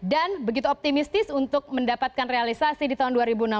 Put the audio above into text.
dan begitu optimistis untuk mendapatkan realisasi di tahun dua ribu enam belas